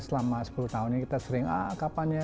selama sepuluh tahun ini kita sering ah kapan ya